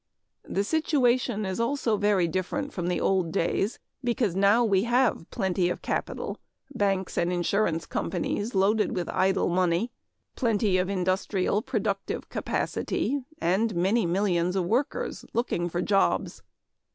The situation is also very different from the old days, because now we have plenty of capital, banks and insurance companies loaded with idle money; plenty of industrial productive capacity and many millions of workers looking for jobs.